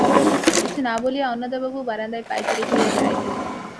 কিছু না বলিয়া অন্নদাবাবু বারান্দায় পায়চারি করিয়া বেড়াইতে লাগিলেন।